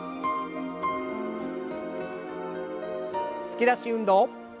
突き出し運動。